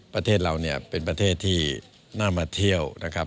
ประเทศเราเนี่ยเป็นประเทศที่น่ามาเที่ยวนะครับ